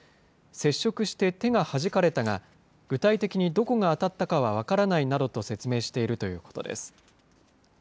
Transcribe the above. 接触して手がはじかれたが、具体的にどこが当たったかは分からないなどと説明しているということです。